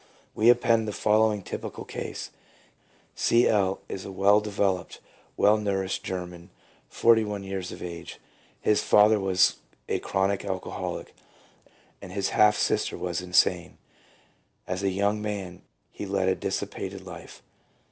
We append the following typical case: — C. L. is a well developed, well nourished German, forty one years of age. His father was a chronic alcoholic, and his half sister was insane. As a young man he led a dissipated life.